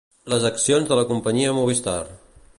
Les accions de la companyia Movistar.